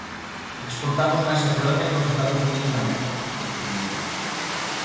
"Exportamos máis a Polonia que aos Estados Unidos de América", subliñou.